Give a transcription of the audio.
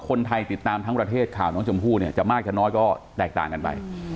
คนไทยติดตามทั้งประเทศข่าวน้องชมพู่เนี่ยจะมากจะน้อยก็แตกต่างกันไป